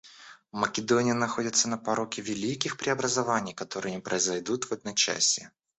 Македония находится на пороге великих преобразований, которые не произойдут в одночасье.